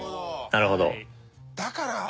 なるほど！